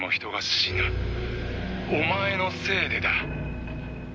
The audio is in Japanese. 「お前のせいでだ」